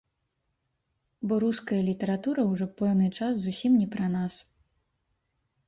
Бо руская літаратура ўжо пэўны час зусім не пра нас.